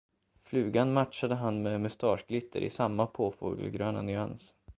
Flugan matchade han med mustaschglitter i samma, påfågelgröna nyans.